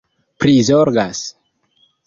prizorgas